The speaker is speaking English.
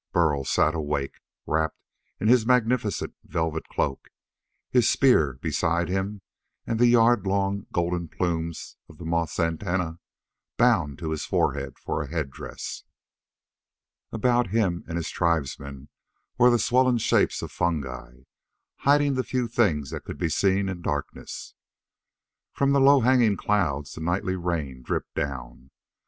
Burl sat awake, wrapped in his magnificent velvet cloak, his spear beside him and the yard long golden plumes of a moth's antennae bound to his forehead for a headdress. About him and his tribesmen were the swollen shapes of fungi, hiding the few things that could be seen in darkness. From the low hanging clouds the nightly rain dripped down.